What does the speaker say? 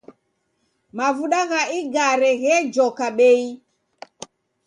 Mavuda gha igare ghejoka bei